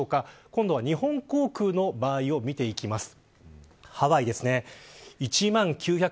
今度は日本航空の場合を見ていきます。